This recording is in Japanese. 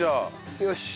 よし。